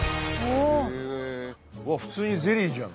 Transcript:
わっ普通にゼリーじゃん。